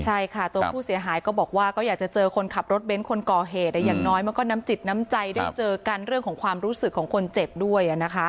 ใช่ค่ะตัวผู้เสียหายก็บอกว่าก็อยากจะเจอคนขับรถเบ้นคนก่อเหตุอย่างน้อยมันก็น้ำจิตน้ำใจได้เจอกันเรื่องของความรู้สึกของคนเจ็บด้วย